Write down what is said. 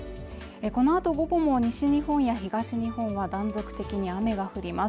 このあと午後も西日本や東日本は断続的に雨が降ります